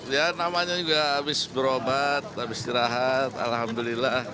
ya namanya juga habis berobat habis istirahat alhamdulillah